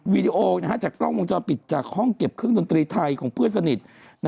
วีดีโอจากกล้องวงจรปิดจากห้องเก็บเครื่องดนตรีไทยของเพื่อนสนิท